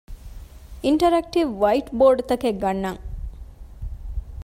އިންޓަރެކްޓިވް ވައިޓްބޯޑްތަކެއް ގަންނަން